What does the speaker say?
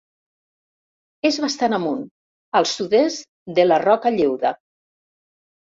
És bastant amunt, al sud-est de la Roca Lleuda.